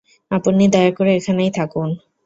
আপনি দয়া করে এখানেই থাকুন।